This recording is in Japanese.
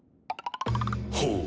ほう。